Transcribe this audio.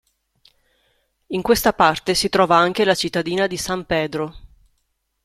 In questa parte si trova anche la cittadina di San Pedro.